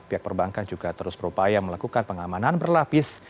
pihak perbankan juga terus berupaya melakukan pengamanan berlapis